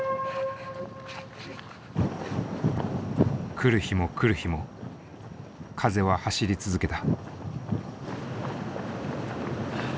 来る日来る日も風は走り続けた。